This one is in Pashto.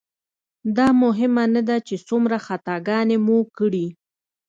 دا مهمه نه ده چې څومره خطاګانې مو کړي.